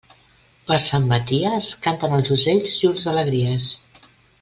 Per Sant Maties, canten els ocells llurs alegries.